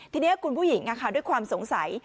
ทีนี้คุณผู้หญิงด้วยความสงสัย